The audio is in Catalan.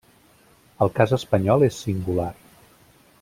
El cas espanyol és singular.